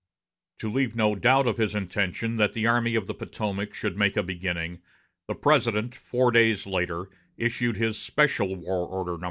To leave no doubt of his intention that the Army of the Potomac should make a beginning, the President, four days later, issued his Special War Order No.